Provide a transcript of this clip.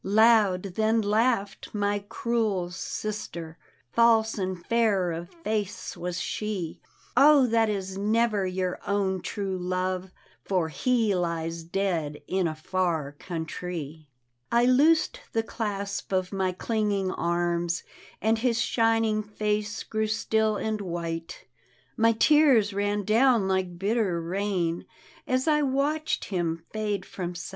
Loud then laughed my cruel sister, False and fair of face was she, " O that is never your own true love, For he lies dead in a far couatrici " I loosed the clasp of my clinging arms And his shining face grew still and white; My tears ran down like bitter rain As I watched him fade from sight.